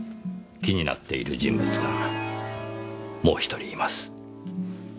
気になっている人物がもう１人います。